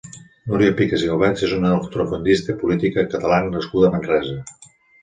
Núria Picas i Albets és una ultrafondista i política catalaba nascuda a Manresa.